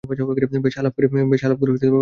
বেশ, আলাপ করে ভালো লাগলো।